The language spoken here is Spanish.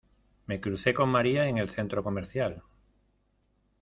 Me crucé con María en el centro comercial